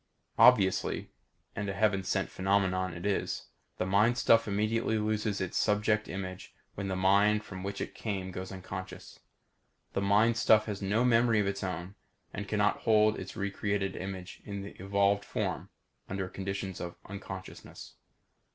Obviously, and a heaven sent phenomenon it is the mind stuff immediately loses its subject image when the mind from which it came goes unconscious. The mind stuff has no memory of its own and cannot hold its recreated image in the evolved form under conditions of unconsciousness.